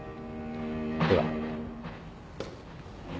では。